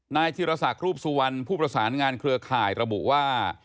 ธิรษักรูปสุวรรณผู้ประสานงานเครือข่ายระบุว่า